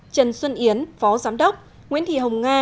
trần xuân yến phó giám đốc nguyễn thị hồng nga